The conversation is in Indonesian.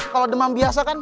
kalau demam biasa kan